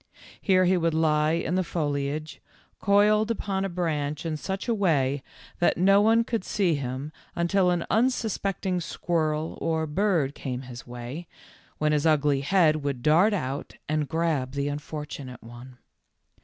Here he would lie in the foliage, coiled upon a branch in such a way that no one could see him until an unsuspecting squirrel or bird came his way, when his ugly head w r ould dart out and grab the unfortunate one.